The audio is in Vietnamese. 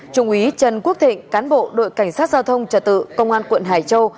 trung úy trần quốc thịnh cán bộ đội cảnh sát giao thông trả tự công an quận hải châu